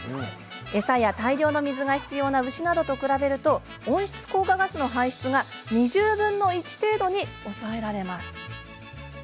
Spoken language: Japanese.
餌や大量の水が必要な牛などと比べると温室効果ガスの排出が２０分の１程度に抑えられます。